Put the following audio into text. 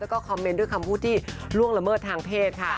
แล้วก็คอมเมนต์ด้วยคำพูดที่ล่วงละเมิดทางเพศค่ะ